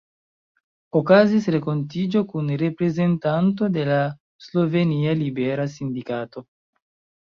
Okazis renkontiĝo kun reprezentanto de la slovenia libera sindikato.